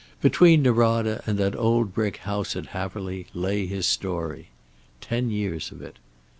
Between Norada and that old brick house at Haverly lay his story. Ten years of it.